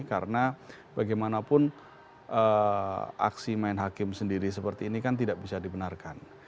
karena bagaimanapun aksi main hakim sendiri seperti ini kan tidak bisa dibenarkan